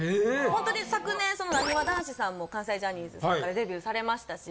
ほんとに昨年なにわ男子さんも関西ジャニーズさんからデビューされましたし